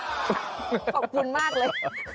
ขอบคุณมากเลย